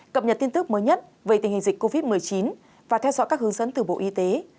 cập nhật tin tức mới nhất về tình hình dịch covid một mươi chín và theo dõi các hướng dẫn từ bộ y tế